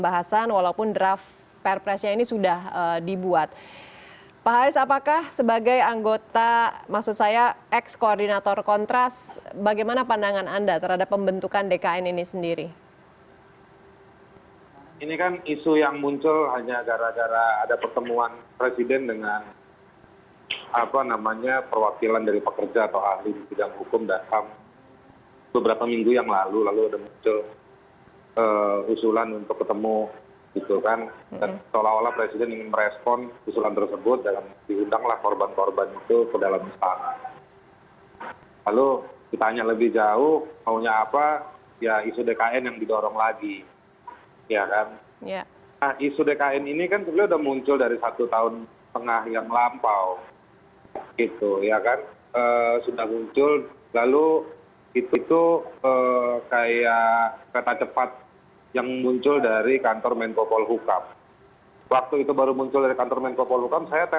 hubungan dengan pak haris terputus